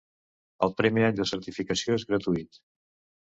El primer any de certificació és gratuït.